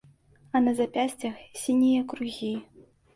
А на запясцях сінія кругі.